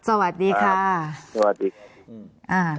สวัสดีค่ะสวัสดีค่ะ